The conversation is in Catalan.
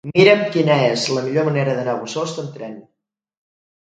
Mira'm quina és la millor manera d'anar a Bossòst amb tren.